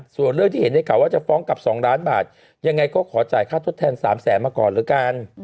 ส่วนเรื่องที่เห็นในข่าวว่าจะฟ้องกลับ๒ล้านบาทยังไงก็ขอจ่ายค่าทดแทน๓แสนมาก่อนแล้วกัน